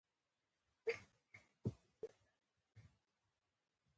دوه کسه ورته ولاړ وو.